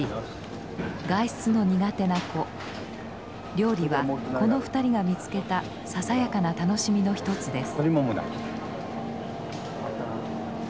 料理はこの２人が見つけたささやかな楽しみの一つです。